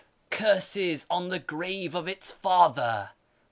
(" Curses on the grave of its father